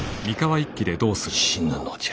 死ぬのじゃ。